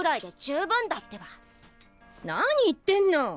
何言ってんの！